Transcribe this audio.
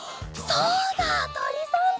そうだとりさんだ。